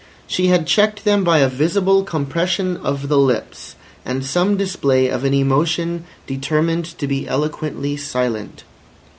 She had checked them by a visible compression of the lips and some display of an emotion determined to be eloquently silent.